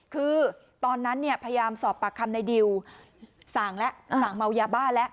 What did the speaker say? คือตอนนั้นเนี่ยพยายามสอบปากคำในดิวสั่งแล้วสั่งเมายาบ้าแล้ว